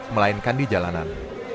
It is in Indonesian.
melainkan di jalanan